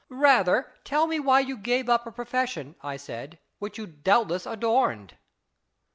" Rather tell me why you gave up a pro fession," I said, " which you doubtless adorned."